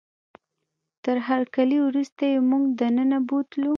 تر هرکلي وروسته یې موږ دننه بوتلو.